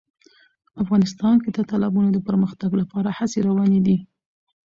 افغانستان کې د تالابونو د پرمختګ لپاره هڅې روانې دي.